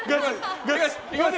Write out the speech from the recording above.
いきます！